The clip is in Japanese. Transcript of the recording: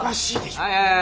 はい